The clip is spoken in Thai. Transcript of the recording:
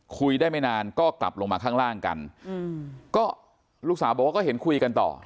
คุยได้ไม่นานก็กลับลงมาข้างล่างกันอืมก็ลูกสาวบอกว่าก็เห็นคุยกันต่อ